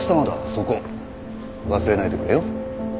そこ忘れないでくれよ。